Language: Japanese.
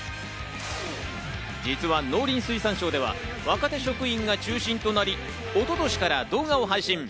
実は農林水産省では若手職員が中心となり、一昨年から動画を配信。